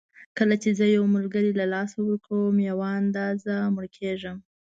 کله چې زه یو ملګری له لاسه ورکوم یوه اندازه مړ کېږم.